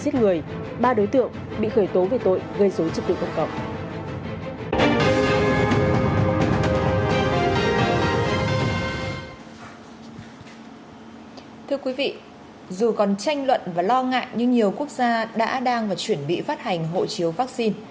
thưa quý vị dù còn tranh luận và lo ngại nhưng nhiều quốc gia đã đang và chuẩn bị phát hành hộ chiếu vaccine